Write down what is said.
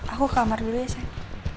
aku ke kamar dulu ya sayang